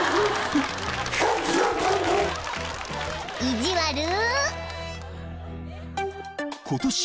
［いじわる］